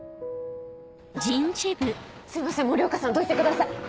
すいません森岡さんどいてください。